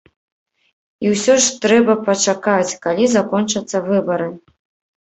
І ўсё ж трэба пачакаць, калі закончацца выбары.